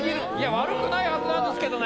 悪くないはずなんですけどね。